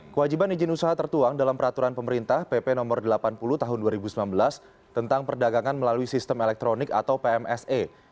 kewajiban izin usaha tertuang dalam peraturan pemerintah pp no delapan puluh tahun dua ribu sembilan belas tentang perdagangan melalui sistem elektronik atau pmse